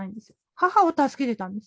母を助けてたんです。